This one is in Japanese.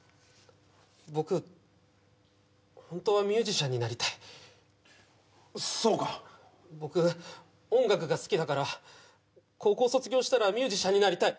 僕ホントはミュージシャンになりたいそうか僕音楽が好きだから高校卒業したらミュージシャンになりたい